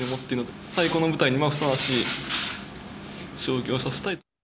最高の舞台にふさわしい将棋を指したい。